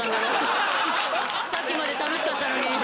さっきまで楽しかったのに。